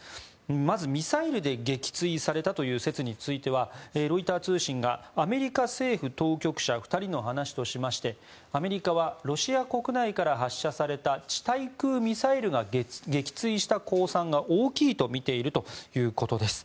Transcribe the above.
まずミサイルで撃墜されたという説についてはロイター通信がアメリカ政府当局者２人の話としましてアメリカはロシア国内から発射された地対空ミサイルが撃墜した公算が大きいとみているということです。